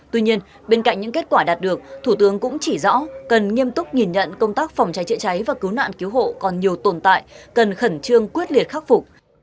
tuy nhiên bên cạnh những kết quả đạt được thủ tướng cũng chỉ rõ cần nghiêm túc nhìn nhận công tác phòng cháy chữa cháy và cứu nạn cứu hộ còn nhiều tồn tại cần khẩn trương quyết liệt khắc phục